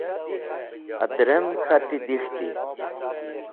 Adrem k̃hati dek̃hti.